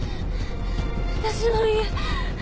私の家。